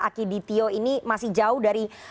aki ditio ini masih jauh dari